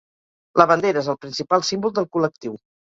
La bandera és el principal símbol del col·lectiu.